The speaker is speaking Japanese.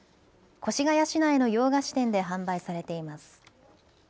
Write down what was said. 越谷市内の洋菓子店で販売されています。